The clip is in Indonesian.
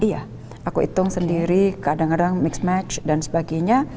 iya aku hitung sendiri kadang kadang mix match dan sebagainya